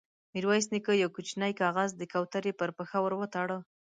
ميرويس نيکه يو کوچينۍ کاغذ د کوترې پر پښه ور وتاړه.